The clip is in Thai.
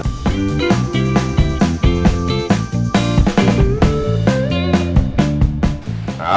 ต่อนี้เราต้องฟูลงกดมั้ย